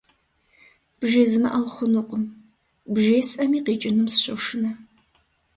БжезмыӀэу хъунукъым, бжесӀэми къикӀынум сыщошынэ.